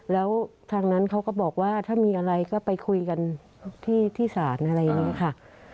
แล้วทางนั้นเขาก็บอกว่าถ้ามีอะไรก็ไปคุยกันที่ศาลอะไรอย่างนี้ค่ะ